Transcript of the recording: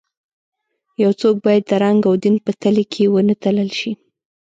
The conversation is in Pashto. یو څوک باید د رنګ او دین په تلې کې ونه تلل شي.